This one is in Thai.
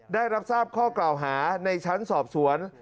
ได้รับทราบข้อกล่าวหาในชั้นสอบสวน